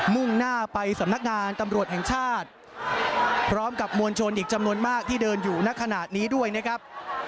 มุ่งหน้าไปสำนักงานตำรวจแห่งชาติพร้อมกับมวลชนอีกจำนวนมากที่เดินอยู่ในขณะนี้ด้วยนะครับ